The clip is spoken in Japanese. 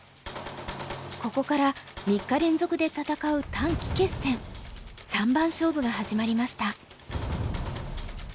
ここから３日連続で戦う短期決戦三番勝負が始まりました。